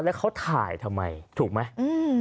แล้วเขาถ่ายทำไมถูกไหม